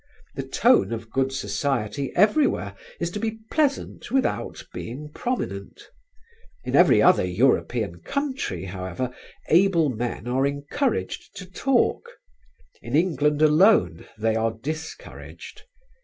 The tone of good society everywhere is to be pleasant without being prominent. In every other European country, however, able men are encouraged to talk; in England alone they are discouraged.